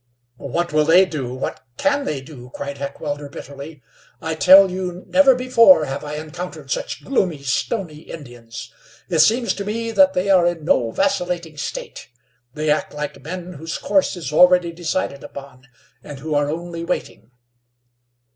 "What will they do? What can they do?" cried Heckewelder, bitterly. "I tell you never before have I encountered such gloomy, stony Indians. It seems to me that they are in no vacillating state. They act like men whose course is already decided upon, and who are only waiting."